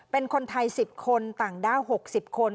เป็นคนไทย๑๐คนต่างด้าว๖๐คน